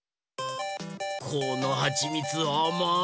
このはちみつあまい！